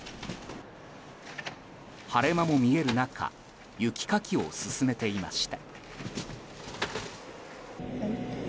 晴れ間も見える中雪かきを進めていました。